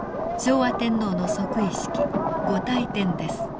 昭和天皇の即位式御大典です。